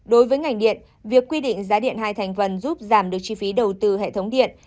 đối với ngành điện việc quy định giá điện hai thành phần giúp giảm được chi phí đầu tư hệ thống điện